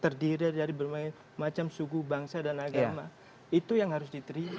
terdiri dari berbagai macam suku bangsa dan agama itu yang harus diterima